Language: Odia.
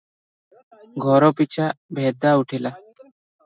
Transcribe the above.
ଘରପିଛା ଭେଦା ଉଠିଲା ।